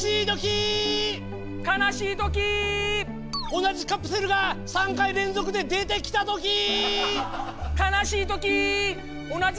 同じカプセルが３回連続で出てきたときー！